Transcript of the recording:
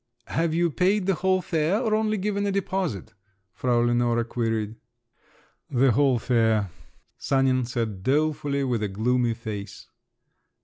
"Have you paid the whole fare or only given a deposit?" Frau Lenore queried. "The whole fare!" Sanin said dolefully with a gloomy face.